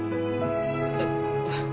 えっ。